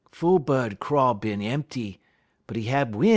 _' "Fool bud craw bin empty, but 'e hab win'.